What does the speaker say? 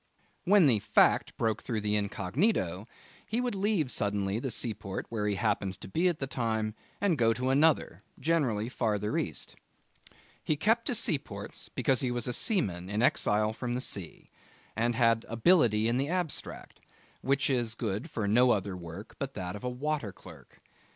When the fact broke through the incognito he would leave suddenly the seaport where he happened to be at the time and go to another generally farther east. He kept to seaports because he was a seaman in exile from the sea, and had Ability in the abstract, which is good for no other work but that of a water clerk.